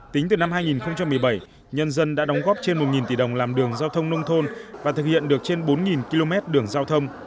tính từ năm hai nghìn một mươi bảy nhân dân đã đóng góp trên một tỷ đồng làm đường giao thông nông thôn và thực hiện được trên bốn km đường giao thông